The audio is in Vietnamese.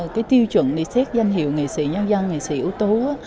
cái tiêu chuẩn để xét danh hiệu nghệ sĩ nhân dân nghệ sĩ ưu tú